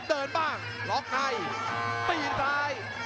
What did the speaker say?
เดินบ้างปีนท้าย